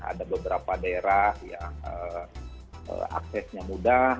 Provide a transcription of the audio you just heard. ada beberapa daerah yang aksesnya mudah